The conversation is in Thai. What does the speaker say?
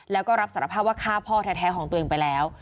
แล้วก็รับสารภาพว่าฆ่าพ่อแท้ของตัวเองไปแล้ว